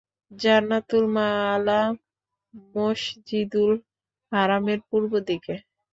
জান্নাতুল মাআলা মসজিদুল হারামের পূর্ব দিকে।